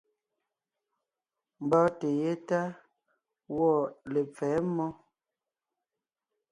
Mbɔ́ɔnte yétá gwɔ̂ lepfɛ̌ mmó.